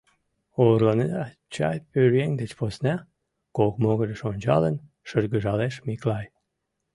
— Орланеда чай пӧръеҥ деч посна? — кок могырыш ончалын, шыргыжалеш Миклай.